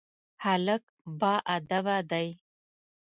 هلک باادبه دی.